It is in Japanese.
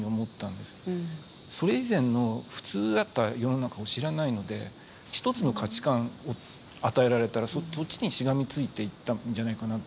それ以前の普通だった世の中を知らないので一つの価値観を与えられたらそっちにしがみついていったんじゃないかなと思うんですね。